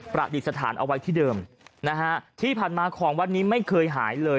ประดิษฐานเอาไว้ที่เดิมนะฮะที่ผ่านมาของวัดนี้ไม่เคยหายเลย